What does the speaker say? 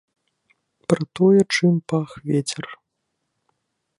Пра тое, чым пах вецер.